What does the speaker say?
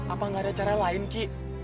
apa nggak ada cara lain ki